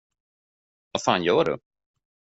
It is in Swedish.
Vad fan gör du?